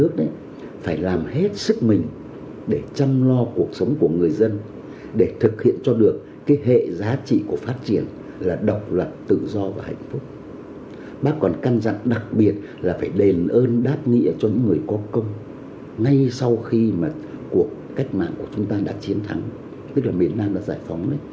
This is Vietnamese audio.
cuộc cách mạng của chúng ta đã chiến thắng tức là miền nam đã giải phóng